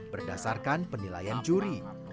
berdasarkan penilaian juri